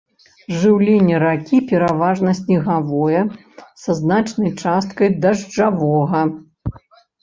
Жыўленне ракі пераважна снегавое, са значнай часткай дажджавога.